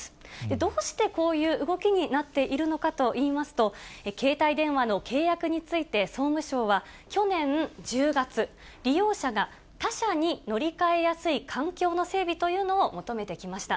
どうしてこういう動きになっているのかといいますと、携帯電話の契約について総務省は、去年１０月、利用者が他社に乗り換えやすい環境の整備というのを求めてきました。